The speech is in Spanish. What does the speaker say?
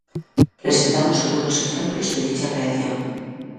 Presentamos algunos ejemplos de dicha reacción.